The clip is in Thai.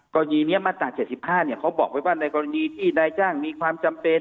กรณีนี้มาตรา๗๕เขาบอกไว้ว่าในกรณีที่นายจ้างมีความจำเป็น